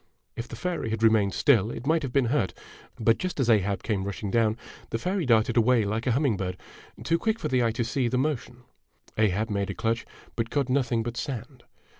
If the fairy had remained still it might have been hurt ; but, just as Ahab came rushing down, the fairy darted away like a humming bird, too quick for the eye to see the motion. Ahab made a clutch, but caught nothing but sand.